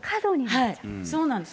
そうなんです。